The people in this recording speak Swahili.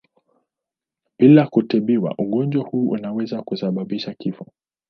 Bila kutibiwa ugonjwa huu unaweza kusababisha kifo.